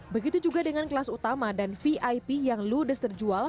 begitu juga dengan kelas utama dan vip yang ludes terjual